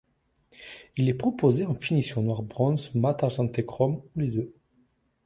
Il est proposé en finition noir bronze, mat argenté chrome ou les deux.